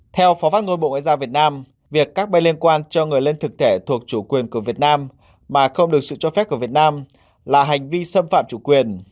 theo phó phát ngôn bộ ngoại giao việt nam việc các bên liên quan cho người lên thực thể thuộc chủ quyền của việt nam mà không được sự cho phép của việt nam là hành vi xâm phạm chủ quyền